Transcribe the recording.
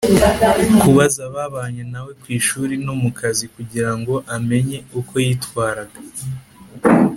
kubaza ababanye na we ku ishuri no mu kazi kugira ngo amenye uko yitwaraga